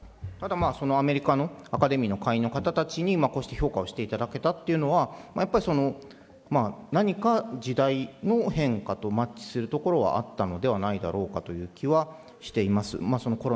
ただまあ、アメリカのアカデミーの会員の方たちに、こうして評価をしていただけたっていうのは、やっぱり何か時代の変化とマッチするところはあったのではないだろうかという気はしています。